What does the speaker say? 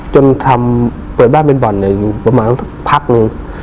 จนทำเปิดบ้านเป็นบ่อนอยู่ประมาณสักพักนึง